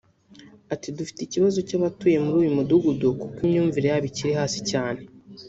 Ati “dufite ikibazo cy’abatuye muri uyu mudugudu kuko imyumvire yabo ikiri hasi cyane